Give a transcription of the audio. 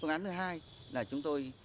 phương án thứ hai là chúng tôi